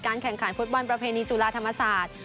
แข่งขันฟุตบอลประเพณีจุฬาธรรมศาสตร์